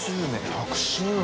１００周年！